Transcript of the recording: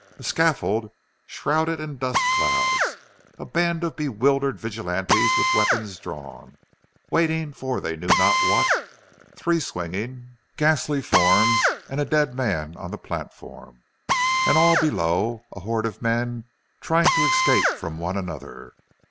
A scaffold shrouded in dust clouds; a band of bewildered vigilantes with weapons drawn, waiting for they knew not what; three swinging, ghastly forms and a dead man on the platform; and all below, a horde of men trying to escape from one another.